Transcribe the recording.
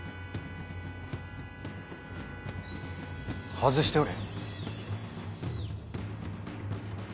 外しておれ。